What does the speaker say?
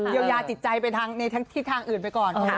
เยียวยาจิตใจไปทางที่ทางอื่นไปก่อน